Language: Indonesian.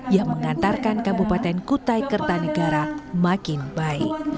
yang mengantarkan kabupaten kutai kertanegara makin baik